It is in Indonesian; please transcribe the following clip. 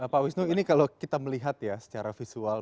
pak wisnu ini kalau kita melihat ya secara visual